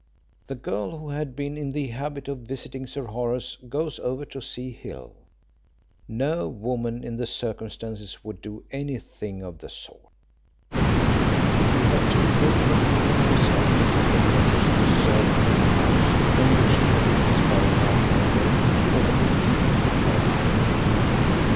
The girl who had been in the habit of visiting Sir Horace goes over to see Hill. No woman in the circumstances would do anything of the sort. She had too good an opinion of herself to take a message to a servant at a house from which she had been expelled by the owner, who had been keeping her.